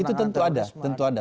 itu tentu ada tentu anda